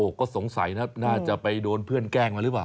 ก็สงสัยนะน่าจะไปโดนเพื่อนแกล้งมาหรือเปล่า